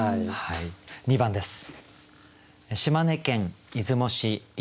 ２番です。